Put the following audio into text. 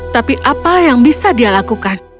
tapi apa yang bisa dia lakukan